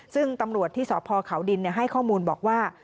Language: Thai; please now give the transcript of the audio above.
ซึ่งตำรวจที่สพเขาดินให้ข้อมูลบอกว่า